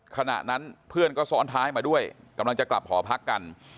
ขณะนั้นเพื่อนก็ซ้อนท้ายมาด้วยกำลังจะกลับหอพักกัน